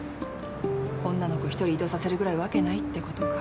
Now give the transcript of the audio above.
女の子一人異動させるぐらいわけないってことか。